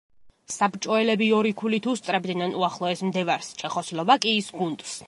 საბჭოელები ორი ქულით უსწრებდნენ უახლოეს მდევარს, ჩეხოსლოვაკიის გუნდს.